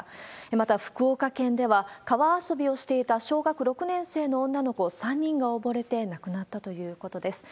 また、福岡県では、川遊びをしていた小学６年生の女の子３人が溺れて亡くなったということです。